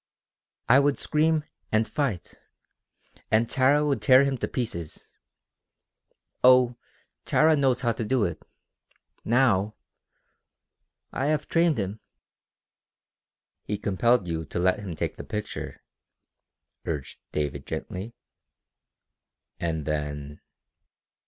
"I would scream and fight, and Tara would tear him into pieces. Oh, Tara knows how to do it now! I have trained him." "He compelled you to let him take the picture," urged David gently. "And then...."